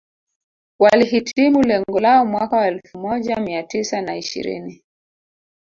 Walihitimu lengo lao mwaka wa elfu moja mia tisa na ishirini